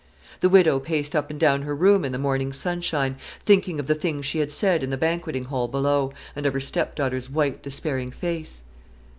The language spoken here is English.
The widow paced up and down her room in the morning sunshine, thinking of the things she had said in the banqueting hall below, and of her stepdaughter's white despairing face.